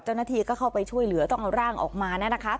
เจ้าหน้าที่ก็เข้าไปช่วยเหลือต้องเอาร่างออกมา